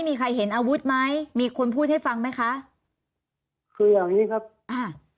มีใครเห็นอาวุธไหมมีคนพูดให้ฟังไหมคะคืออย่างงี้ครับอ่า